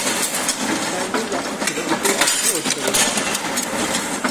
তার মূল লক্ষ্য ছিল বিপুল অর্থের অধিকারী হওয়া।